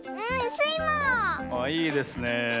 ああいいですねえ。